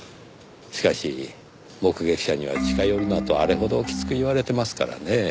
しかし目撃者には近寄るなとあれほどきつく言われてますからねぇ。